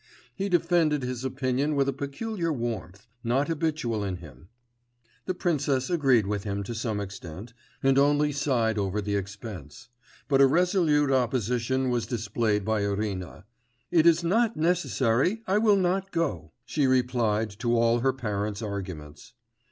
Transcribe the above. He defended his opinion with a peculiar warmth, not habitual in him; the princess agreed with him to some extent, and only sighed over the expense; but a resolute opposition was displayed by Irina. 'It is not necessary, I will not go,' she replied to all her parents' arguments.